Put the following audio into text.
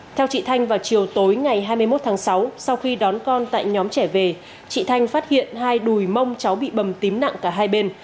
theo chị thanh vào chiều tối ngày hai mươi một tháng sáu sau khi đón con tại nhóm trẻ về chị thanh phát hiện hai đùi mông cháu bị bầm tím nặng cả hai bên